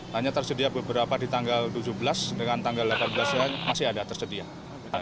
hanya tersedia beberapa di tanggal tujuh belas dengan tanggal delapan belas masih ada tersedia